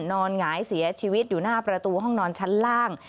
หงายเสียชีวิตอยู่หน้าประตูห้องนอนชั้นล่าง